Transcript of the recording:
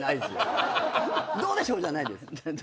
どうでしょうじゃないです。